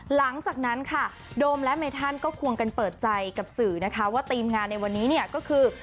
หลังจากนั้นค่ะโดมและเมธันก็ควงกันเปิดใจกับสื่อนะคะว่าทีมงานในวันนี้เนี่ยก็คือ